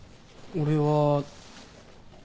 俺は。